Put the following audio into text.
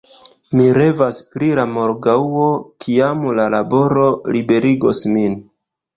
Mi revas pri la morgaŭo, kiam la laboro liberigos min.